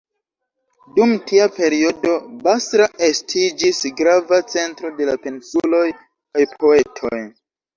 Dum tia periodo Basra estiĝis grava centro de pensuloj kaj poetoj.